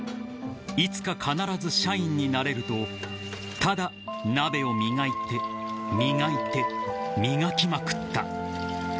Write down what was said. ［いつか必ず社員になれるとただ鍋を磨いて磨いて磨きまくった］